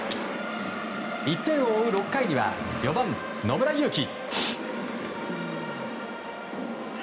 １点を追う６回には４番、野村佑希。